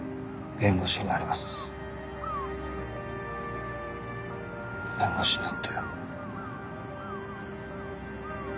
弁護士になって。